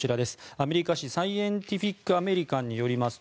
アメリカ誌「サイエンティフィック・アメリカン」によります